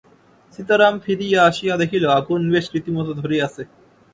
সীতারাম ফিরিয়া আসিয়া দেখিল, আগুন বেশ রীতিমতো ধরিয়াছে।